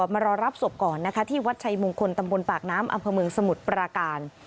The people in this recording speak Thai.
มารอรับศพก่อนนะคะที่วัดชัยมงคลตำบลปากน้ำอำเภอเมืองสมุทรปราการ